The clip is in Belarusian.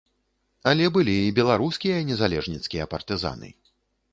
Але былі і беларускія незалежніцкія партызаны.